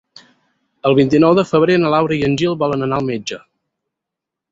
El vint-i-nou de febrer na Laura i en Gil volen anar al metge.